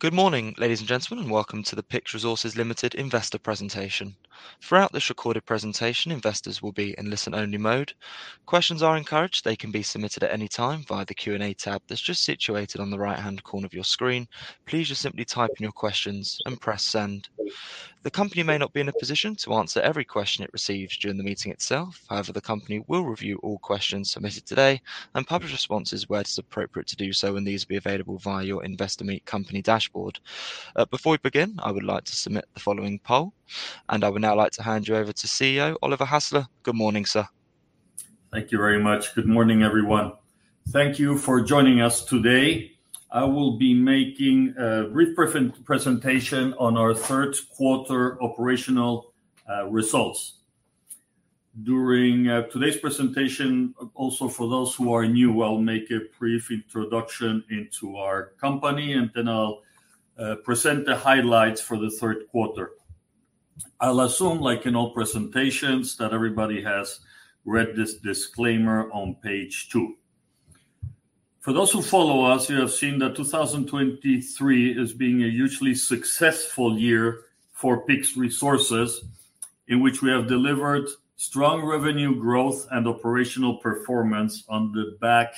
Good morning, ladies and gentlemen, and welcome to the PYX Resources Limited investor presentation. Throughout this recorded presentation, investors will be in listen-only mode. Questions are encouraged. They can be submitted at any time via the Q&A tab that's just situated on the right-hand corner of your screen. Please just simply type in your questions and press Send. The company may not be in a position to answer every question it receives during the meeting itself. However, the company will review all questions submitted today and publish responses where it is appropriate to do so, and these will be available via your Investor Meet company dashboard. Before we begin, I would like to submit the following poll, and I would now like to hand you over to CEO, Oliver Hasler. Good morning, sir. Thank you very much. Good morning, everyone. Thank you for joining us today. I will be making a brief presentation on our third quarter operational results. During today's presentation, also for those who are new, I'll make a brief introduction into our company, and then I'll present the highlights for the third quarter. I'll assume, like in all presentations, that everybody has read this disclaimer on page 2. For those who follow us, you have seen that 2023 is being a hugely successful year for PYX Resources, in which we have delivered strong revenue growth and operational performance on the back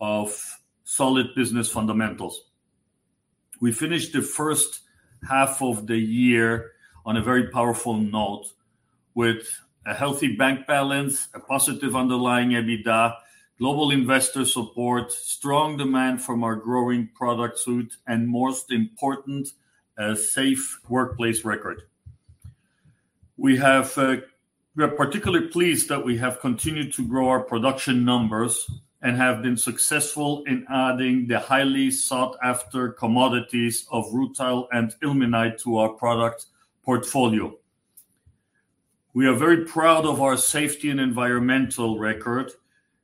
of solid business fundamentals. We finished the first half of the year on a very powerful note with a healthy bank balance, a positive underlying EBITDA, global investor support, strong demand from our growing product suite, and most important, a safe workplace record. We are particularly pleased that we have continued to grow our production numbers and have been successful in adding the highly sought-after commodities of rutile and ilmenite to our product portfolio. We are very proud of our safety and environmental record,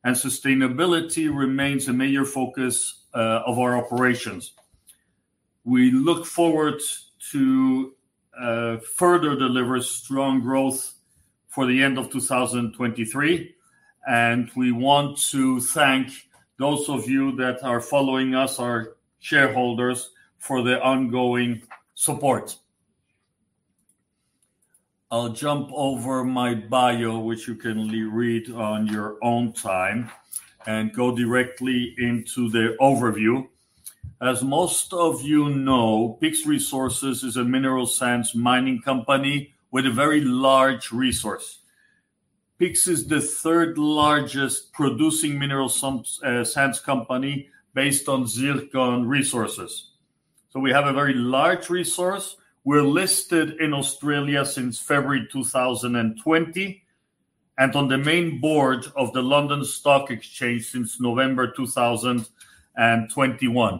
and sustainability remains a major focus of our operations. We look forward to further deliver strong growth for the end of 2023, and we want to thank those of you that are following us, our shareholders, for their ongoing support. I'll jump over my bio, which you can re-read on your own time and go directly into the overview. As most of you know, PYX Resources is a mineral sands mining company with a very large resource. PYX is the third-largest producing mineral sands company based on zircon resources. So we have a very large resource. We're listed in Australia since February 2020, and on the main board of the London Stock Exchange since November 2021.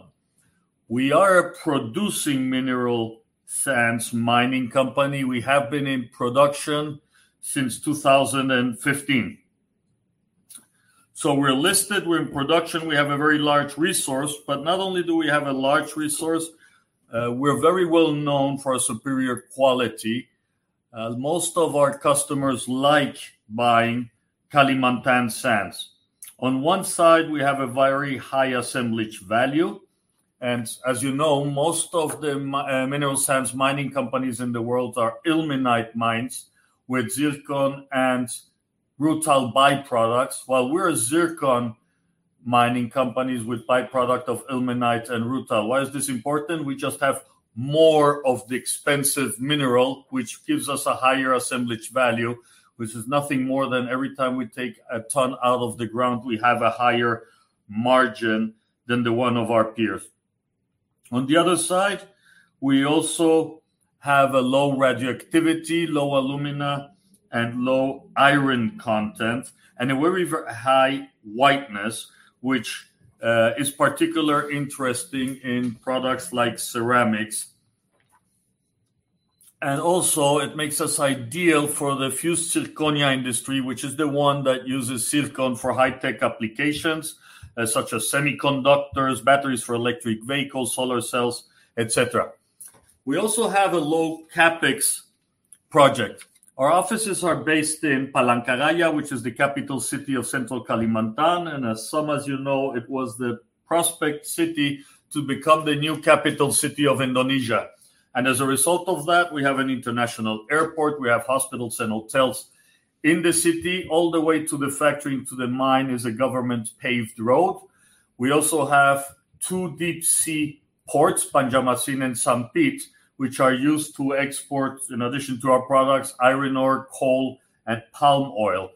We are a producing mineral sands mining company. We have been in production since 2015. We're listed, we're in production, we have a very large resource, but not only do we have a large resource, we're very well known for our superior quality. Most of our customers like buying Kalimantan sands. On one side, we have a very high assemblage value, and as you know, most of the mineral sands mining companies in the world are ilmenite mines with zircon and rutile byproducts, while we're a zircon mining companies with byproduct of ilmenite and rutile. Why is this important? We just have more of the expensive mineral, which gives us a higher assemblage value, which is nothing more than every time we take a ton out of the ground, we have a higher margin than the one of our peers. On the other side, we also have a low radioactivity, low alumina, and low iron content, and a very high whiteness, which is particularly interesting in products like ceramics. Also it makes us ideal for the fused zirconia industry, which is the one that uses zircon for high-tech applications, such as semiconductors, batteries for electric vehicles, solar cells, etc. We also have a low CapEx project. Our offices are based in Palangkaraya, which is the capital city of Central Kalimantan, and as some of you know, it was the prospective city to become the new capital city of Indonesia. As a result of that, we have an international airport. We have hospitals and hotels in the city. All the way to the factory, to the mine is a government-paved road. We also have two deep-sea ports, Banjarmasin and Sampit, which are used to export, in addition to our products, iron ore, coal, and palm oil.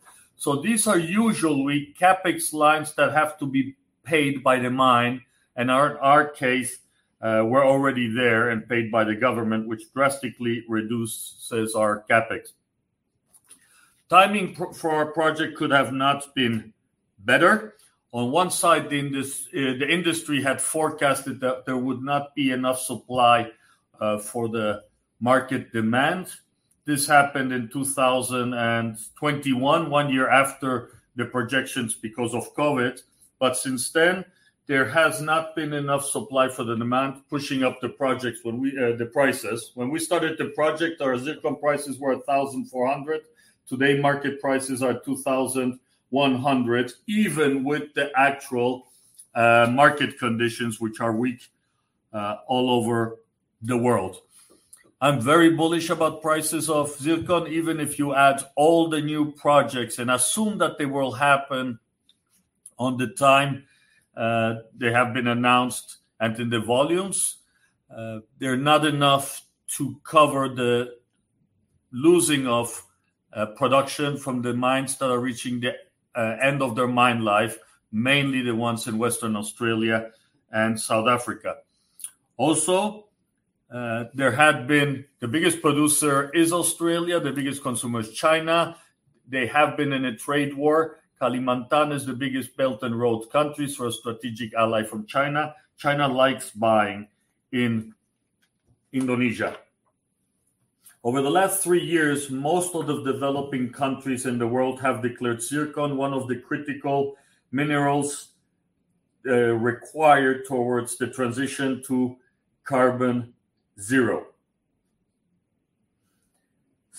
These are usually CapEx lines that have to be paid by the mine. In our case, we're already there and paid by the government, which drastically reduces our CapEx. Timing for our project could have not been better. On one side, the industry had forecasted that there would not be enough supply for the market demand. This happened in 2021, one year after the projections because of COVID. Since then, there has not been enough supply for the demand, pushing up the prices. When we started the project, our zircon prices were $1,400. Today, market prices are $2,100, even with the actual market conditions which are weak all over the world. I'm very bullish about prices of zircon, even if you add all the new projects and assume that they will happen on time they have been announced and in the volumes, they're not enough to cover the loss of production from the mines that are reaching the end of their mine life, mainly the ones in Western Australia and South Africa. Also, the biggest producer is Australia. The biggest consumer is China. They have been in a trade war. Kalimantan is the biggest Belt and Road countries for a strategic ally from China. China likes buying in Indonesia. Over the last three years, most of the developing countries in the world have declared zircon one of the critical minerals required towards the transition to carbon zero.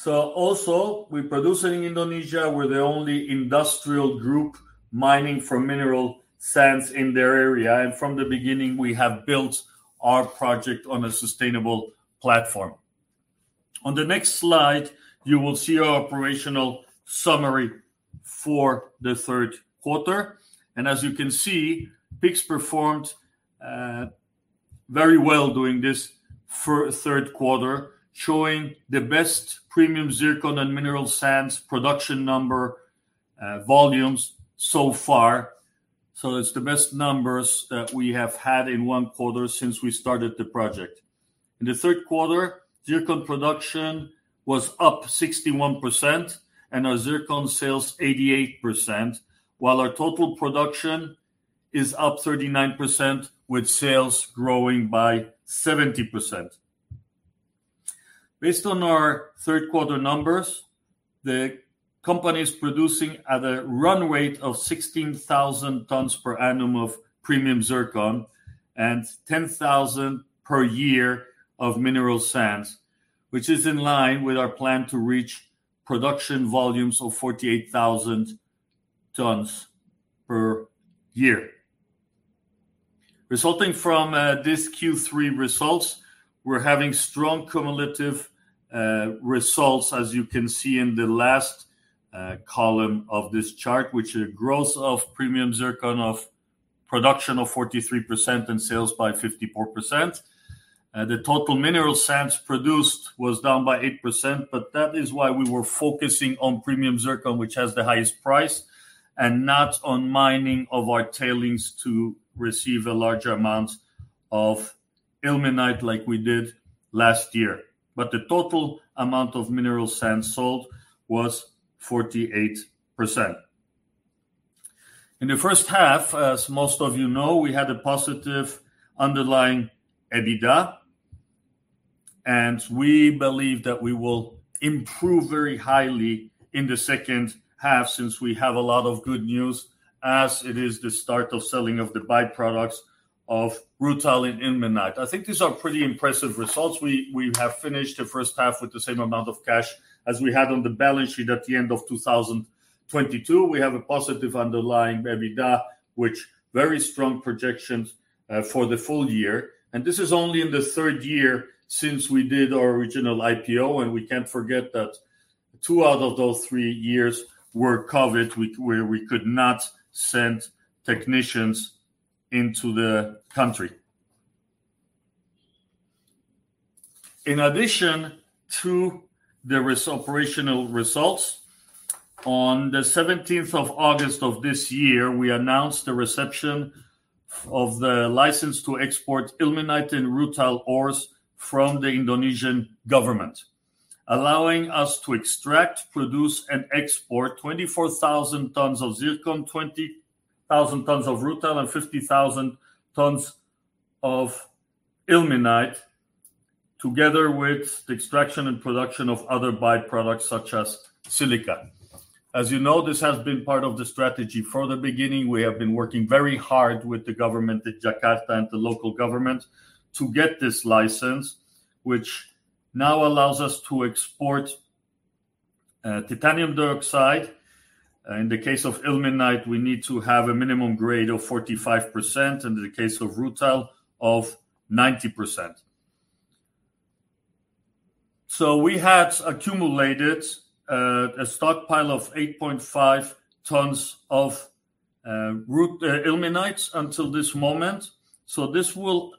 Also, we're producing in Indonesia. We're the only industrial group mining for mineral sands in their area, and from the beginning, we have built our project on a sustainable platform. On the next slide, you will see our operational summary for the third quarter. As you can see, PYX performed very well during this third quarter, showing the best premium zircon and mineral sands production volumes so far. It's the best numbers that we have had in one quarter since we started the project. In the third quarter, zircon production was up 61% and our zircon sales 88%, while our total production is up 39% with sales growing by 70%. Based on our third quarter numbers, the company is producing at a run rate of 16,000 tons per annum of premium zircon and 10,000 per year of mineral sands, which is in line with our plan to reach production volumes of 48,000 tons per year. Resulting from this Q3 results, we're having strong cumulative results, as you can see in the last column of this chart, with a growth of premium zircon production of 43% and sales by 54%. The total mineral sands produced was down by 8%, but that is why we were focusing on premium zircon, which has the highest price, and not on mining of our tailings to receive a larger amount of ilmenite like we did last year. The total amount of mineral sands sold was 48%. In the first half, as most of you know, we had a positive underlying EBITDA, and we believe that we will improve very highly in the second half since we have a lot of good news as it is the start of selling of the byproducts of rutile and ilmenite. I think these are pretty impressive results. We have finished the first half with the same amount of cash as we had on the balance sheet at the end of 2022. We have a positive underlying EBITDA with very strong projections for the full year. This is only in the third year since we did our original IPO, and we can't forget that two out of those three years were COVID, where we could not send technicians into the country. In addition to the operational results, on August 17th of this year, we announced the reception of the license to export ilmenite and rutile ores from the Indonesian government, allowing us to extract, produce, and export 24,000 tons of zircon, 20,000 tons of rutile, and 50,000 tons of ilmenite, together with the extraction and production of other byproducts such as silica. As you know, this has been part of the strategy. From the beginning, we have been working very hard with the government in Jakarta and the local government to get this license, which now allows us to export titanium dioxide. In the case of ilmenite, we need to have a minimum grade of 45%, and in the case of rutile of 90%. We had accumulated a stockpile of 8.5 tons of ilmenite until this moment.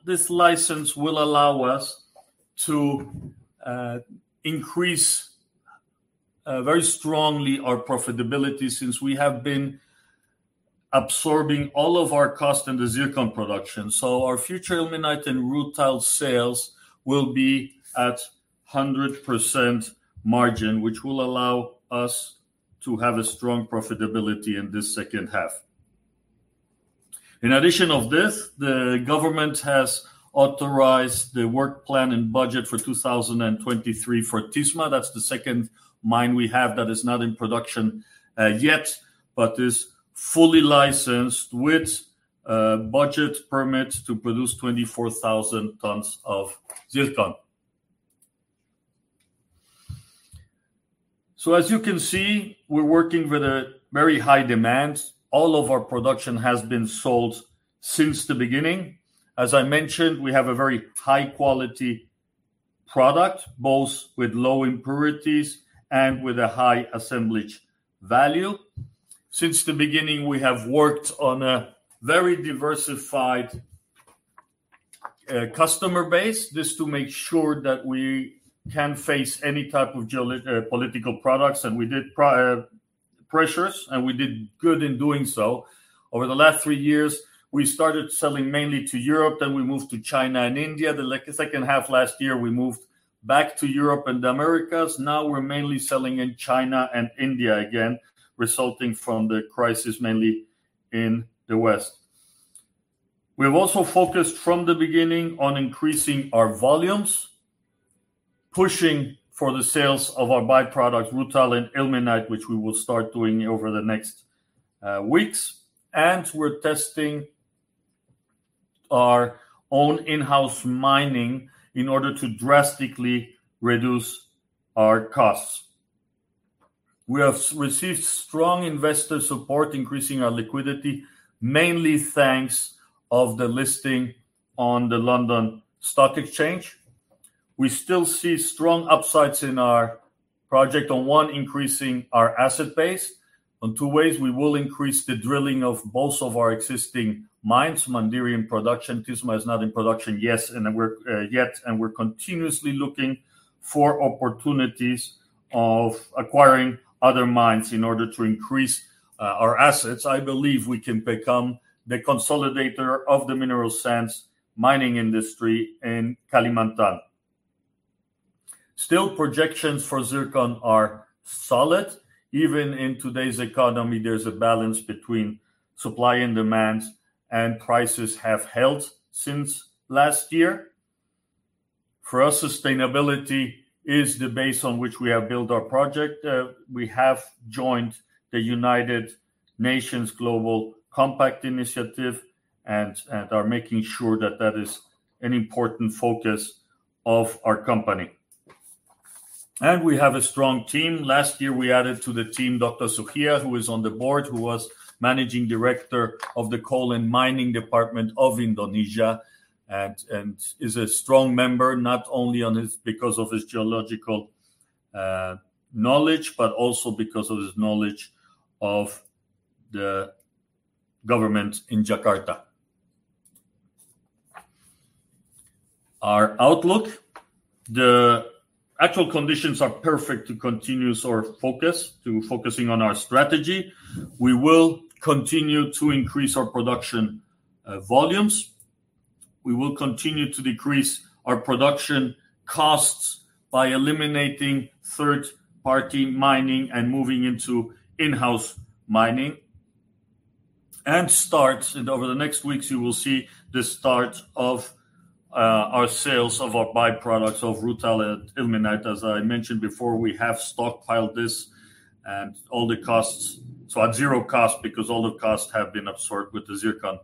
This license will allow us to increase very strongly our profitability since we have been absorbing all of our cost in the zircon production. Our future ilmenite and rutile sales will be at 100% margin, which will allow us to have a strong profitability in this second half. In addition to this, the government has authorized the work plan and budget for 2023 for Tisma. That's the second mine we have that is not in production yet, but is fully licensed with budget permits to produce 24,000 tons of zircon. As you can see, we're working with a very high demand. All of our production has been sold since the beginning. As I mentioned, we have a very high quality product, both with low impurities and with a high assemblage value. Since the beginning, we have worked on a very diversified customer base, just to make sure that we can face any type of geopolitical pressures. And we faced pressures, and we did good in doing so. Over the last three years, we started selling mainly to Europe, then we moved to China and India. The second half last year, we moved back to Europe and the Americas. Now we're mainly selling in China and India again, resulting from the crisis mainly in the West. We have also focused from the beginning on increasing our volumes, pushing for the sales of our by-product rutile and ilmenite, which we will start doing over the next weeks, and we're testing our own in-house mining in order to drastically reduce our costs. We have received strong investor support increasing our liquidity, mainly thanks to the listing on the London Stock Exchange. We still see strong upsides in our ongoing project, increasing our asset base. In two ways, we will increase the drilling of both of our existing mines. Mandiri is in production, Tisma is not in production yet, and we're continuously looking for opportunities of acquiring other mines in order to increase our assets. I believe we can become the consolidator of the mineral sands mining industry in Kalimantan. Still, projections for zircon are solid. Even in today's economy, there's a balance between supply and demand, and prices have held since last year. For us, sustainability is the base on which we have built our project. We have joined the United Nations Global Compact and are making sure that that is an important focus of our company. We have a strong team. Last year, we added to the team Dr. Sukhyar, who is on the board, who was Managing Director of the Coal and Mining Department of Indonesia and is a strong member, not only on his, because of his geological knowledge, but also because of his knowledge of the government in Jakarta. Our outlook. The actual conditions are perfect to continue our focus to focusing on our strategy. We will continue to increase our production volumes. We will continue to decrease our production costs by eliminating third-party mining and moving into in-house mining. Over the next weeks, you will see the start of our sales of our by-products of rutile and ilmenite. As I mentioned before, we have stockpiled this and all the costs. So at zero cost because all the costs have been absorbed with the zircon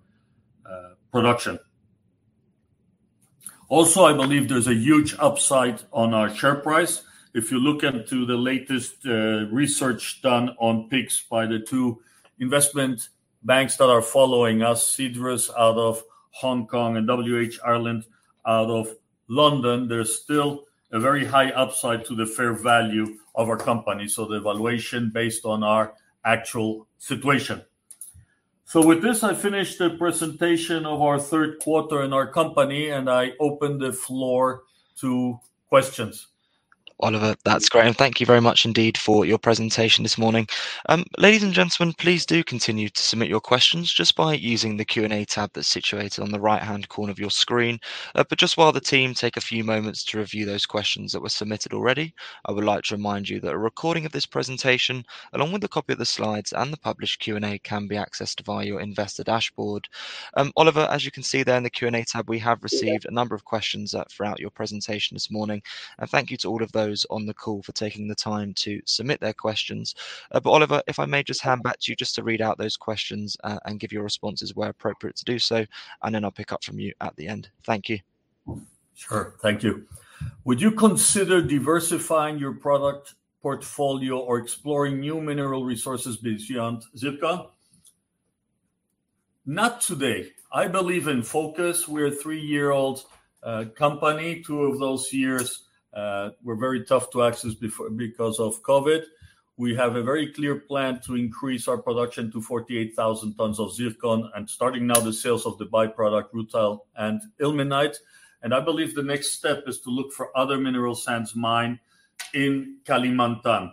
production. Also, I believe there's a huge upside on our share price. If you look into the latest research done on PYX by the two investment banks that are following us, Cedrus out of Hong Kong and WH Ireland out of London, there's still a very high upside to the fair value of our company. The valuation based on our actual situation. With this, I finish the presentation of our third quarter in our company, and I open the floor to questions. Oliver, that's great. Thank you very much indeed for your presentation this morning. Ladies and gentlemen, please do continue to submit your questions just by using the Q&A tab that's situated on the right-hand corner of your screen. Just while the team take a few moments to review those questions that were submitted already, I would like to remind you that a recording of this presentation, along with a copy of the slides and the published Q&A, can be accessed via your investor dashboard. Oliver, as you can see there in the Q&A tab, we have received a number of questions throughout your presentation this morning. Thank you to all of those on the call for taking the time to submit their questions. And Oliver, if I may just hand back to you just to read out those questions, and give your responses where appropriate to do so, and then I'll pick up from you at the end. Thank you. Sure. Thank you. "Would you consider diversifying your product portfolio or exploring new mineral resources beyond zircon?" Not today. I believe in focus. We're a three-year-old company. Two of those years were very tough because of COVID. We have a very clear plan to increase our production to 48,000 tons of zircon and starting now the sales of the by-product rutile and ilmenite. I believe the next step is to look for other mineral sands mine in Kalimantan.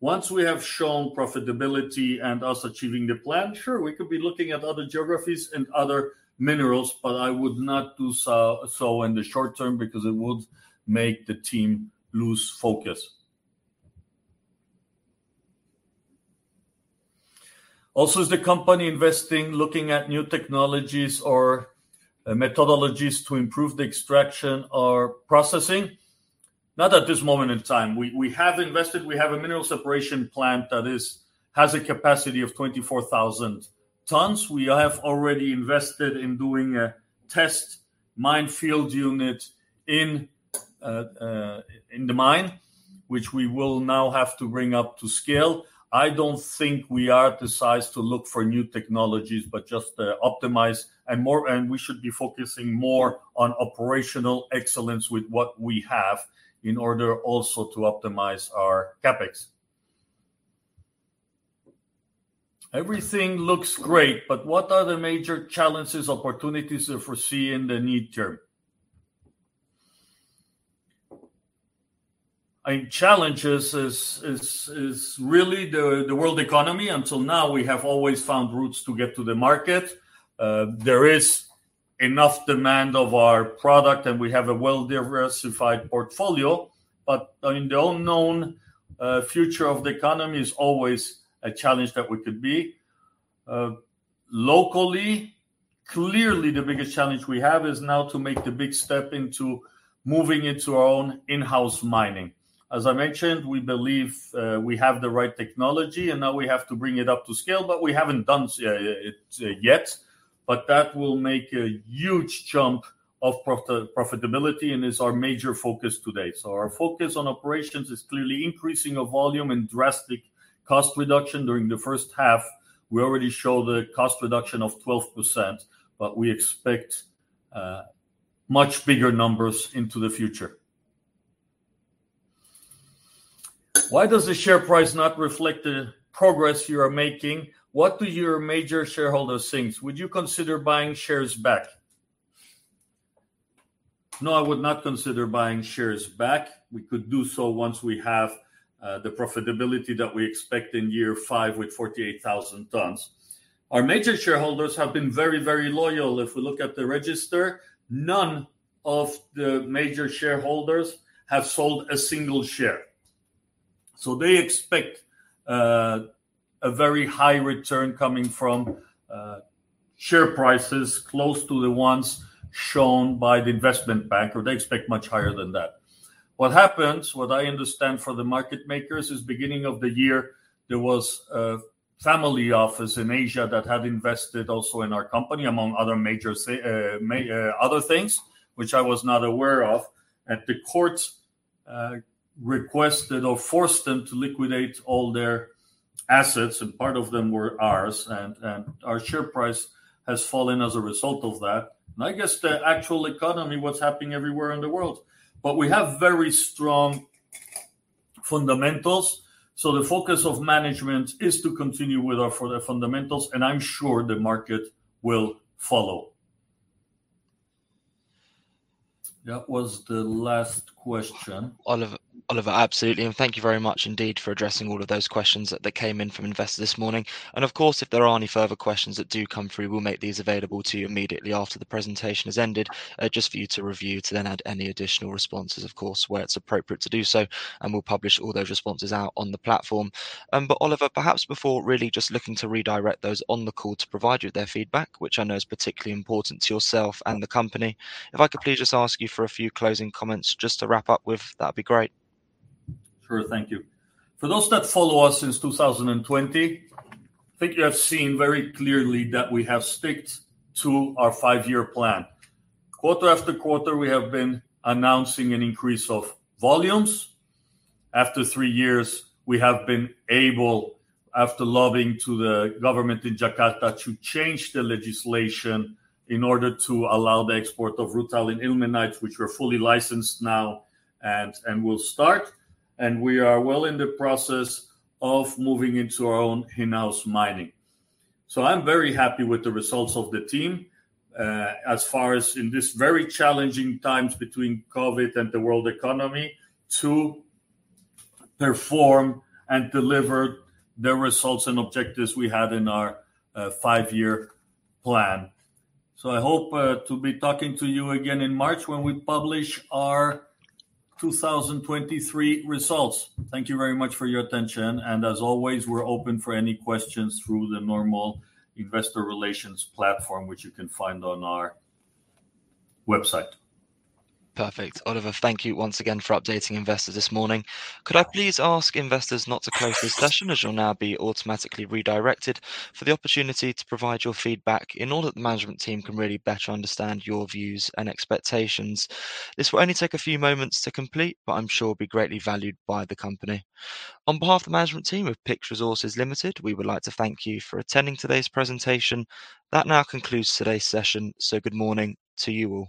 Once we have shown profitability and us achieving the plan, sure, we could be looking at other geographies and other minerals, but I would not do so in the short term because it would make the team lose focus. "Also, is the company investing, looking at new technologies or methodologies to improve the extraction or processing?" Not at this moment in time. We have invested. We have a mineral separation plant that has a capacity of 24,000 tons. We have already invested in doing a test mine field unit in the mine, which we will now have to bring up to scale. I don't think we are the size to look for new technologies, but just optimize, and we should be focusing more on operational excellence with what we have in order also to optimize our CapEx. "Everything looks great, but what are the major challenges, opportunities you foresee in the near term?" Challenges is really the world economy. Until now, we have always found routes to get to the market. There is enough demand of our product, and we have a well-diversified portfolio. I mean, the unknown future of the economy is always a challenge that we could be. Locally, clearly the biggest challenge we have is now to make the big step into moving into our own in-house mining. As I mentioned, we believe we have the right technology, and now we have to bring it up to scale, but we haven't done it yet. That will make a huge jump of profitability and is our major focus today. Our focus on operations is clearly increasing our volume and drastic cost reduction. During the first half, we already show the cost reduction of 12%, but we expect much bigger numbers into the future. "Why does the share price not reflect the progress you are making? What do your major shareholders think? Would you consider buying shares back?" No, I would not consider buying shares back. We could do so once we have the profitability that we expect in year five with 48,000 tons. Our major shareholders have been very, very loyal. If we look at the register, none of the major shareholders have sold a single share. So they expect a very high return coming from share prices close to the ones shown by the investment banker. They expect much higher than that. What happens, what I understand for the market makers is beginning of the year, there was a family office in Asia that had invested also in our company, among other things which I was not aware of. The court requested or forced them to liquidate all their assets, and part of them were ours and our share price has fallen as a result of that. I guess the actual economy, what's happening everywhere in the world. We have very strong fundamentals, so the focus of management is to continue with our fundamentals, and I'm sure the market will follow. That was the last question. Oliver, thank you very much indeed for addressing all of those questions that came in from investors this morning. Of course, if there are any further questions that do come through, we'll make these available to you immediately after the presentation has ended, just for you to review to then add any additional responses, of course, where it's appropriate to do so, and we'll publish all those responses out on the platform. And Oliver, perhaps before really just looking to redirect those on the call to provide you with their feedback, which I know is particularly important to yourself and the company, if I could please just ask you for a few closing comments just to wrap up with? That'd be great. Sure, thank you. For those that follow us since 2020, I think you have seen very clearly that we have stuck to our five-year plan. Quarter after quarter, we have been announcing an increase of volumes. After three years, we have been able, after lobbying to the government in Jakarta to change the legislation in order to allow the export of rutile and ilmenite, which we're fully licensed now and will start, and we are well in the process of moving into our own in-house mining. I'm very happy with the results of the team, as far as in this very challenging times between COVID and the world economy to perform and deliver the results and objectives we had in our five-year plan. I hope to be talking to you again in March when we publish our 2023 results. Thank you very much for your attention, and as always, we're open for any questions through the normal investor relations platform, which you can find on our website. Perfect. Oliver, thank you once again for updating investors this morning. Could I please ask investors not to close this session as you'll now be automatically redirected for the opportunity to provide your feedback in order that the management team can really better understand your views and expectations. This will only take a few moments to complete, but I'm sure will be greatly valued by the company. On behalf of the management team of PYX Resources Limited, we would like to thank you for attending today's presentation. That now concludes today's session, so good morning to you all.